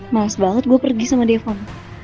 maaf banget gue pergi sama devon